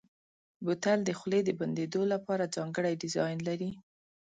بوتل د خولې د بندېدو لپاره ځانګړی ډیزاین لري.